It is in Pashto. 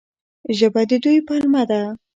ژبه د دوی پلمه ده.